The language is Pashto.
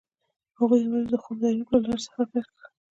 هغوی یوځای د خوږ دریاب له لارې سفر پیل کړ.